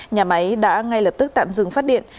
nhà máy đã ngay lập tức tạm dừng phát điện